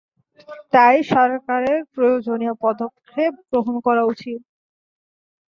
তাই সরকারের প্রয়োজনীয় পদক্ষেপ গ্রহণ করা উচিত।